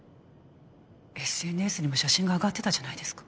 ＳＮＳにも写真があがってたじゃないですか。